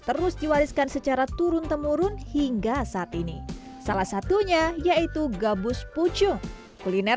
terus diwariskan secara turun temurun hingga saat ini salah satunya yaitu gabus pucung kuliner